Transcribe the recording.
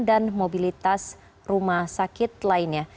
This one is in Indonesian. dan mobilitas rumah sakit lainnya